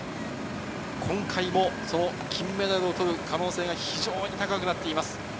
今回も金メダルを取る可能性が非常に高くなっています。